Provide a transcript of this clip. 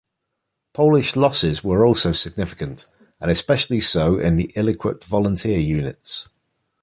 Polish losses were also significant, and especially so in the ill-equipped volunteer units.